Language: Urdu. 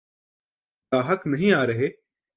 گاہک نہیں آرہے۔